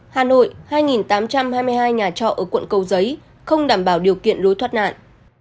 hà nội hai tám trăm hai mươi hai nhà trọ ở quận cầu giấy không đảm bảo điều kiện lối thoát nạn